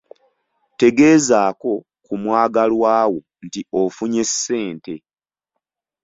Tegeezaako ku mwagalwa wo nti ofunye ssente.